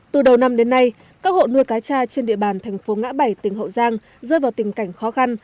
từ đầu năm đến nay các hộ nuôi cá cha trên địa bàn thành phố ngã bảy tỉnh hậu giang rơi vào tình cảnh khó khăn